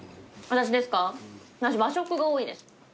私和食が多いです。